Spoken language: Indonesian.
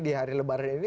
di hari lebaran ini